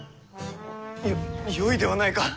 よよいではないか。